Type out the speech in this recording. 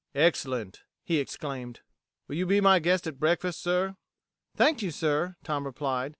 "Excellent!" he exclaimed. "Will you be my guest at breakfast, sir?" "Thank you, sir," Tom replied.